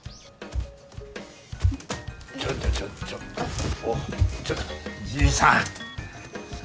ちょっとちょっとちょっとちょっとじいさん。